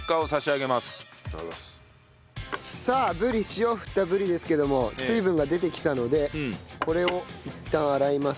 さあぶり塩振ったぶりですけども水分が出てきたのでこれをいったん洗います。